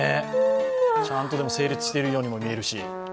ちゃんと整列しているようにも見えるし。